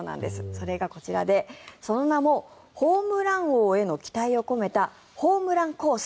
それがこちらで、その名もホームラン王への期待を込めたホームランコース。